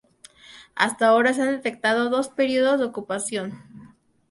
Hasta ahora se han detectado dos periodos de ocupación.